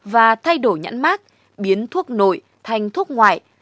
và thay đổi nhãn mát biến thuốc nội thành thuốc ngoại